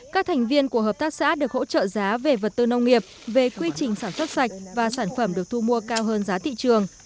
các thành viên của hợp tác xã được hỗ trợ giá về vật tư nông nghiệp về quy trình sản xuất sạch và sản phẩm được thu mua cao hơn giá thị trường